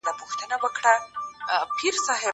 کېدای سي زده کړه ستونزي ولري!